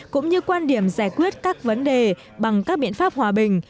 cũng như quan điểm giải quyết các vấn đề bằng các biện pháp hòa bình